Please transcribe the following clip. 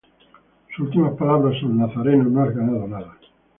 Sus últimas palabras son ""Nazareno, no has ganado nada..."".